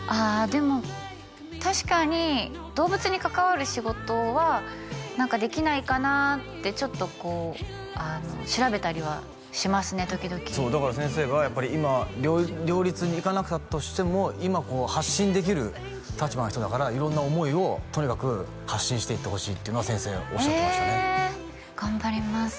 でも確かに動物に関わる仕事は何かできないかなってちょっとこう調べたりはしますね時々だから先生が今両立にいかなかったとしても今こう発信できる立場の人だから色んな思いをとにかく発信していってほしいっていうのは先生おっしゃってましたねええ頑張ります